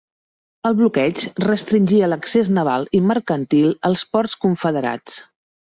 El bloqueig restringia l'accés naval i mercantil als ports confederats.